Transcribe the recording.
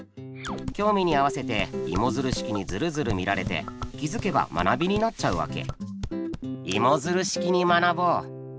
興味に合わせてイモヅル式にヅルヅル見られて気づけば学びになっちゃうわけ。